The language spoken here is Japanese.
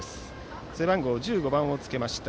背番号１５番をつけました